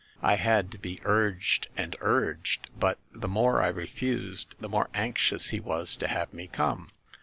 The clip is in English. I had to be urged and urged; but the more I refused, the more anxious he was to have me come.